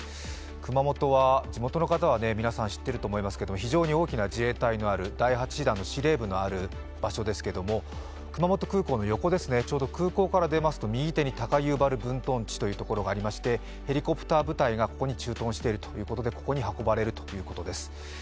熊本は地元の方は皆さん知っていると思いますけど非常に大きな自衛隊のある第８師団の司令部のある場所ですけども、熊本空港の横ですね、ちょうど空港から出ますと右手に高遊原分屯地というところがありまして、ヘリコプター部隊がここに駐屯しているということで、ここに運ばれるということです。